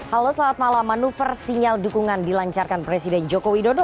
halo selamat malam manuver sinyal dukungan dilancarkan presiden joko widodo